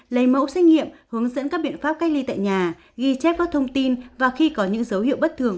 lấy mẫu xét nghiệm hướng dẫn các biện pháp cách ly tại nhà ghi chép các thông tin và khi có những dấu hiệu bất thường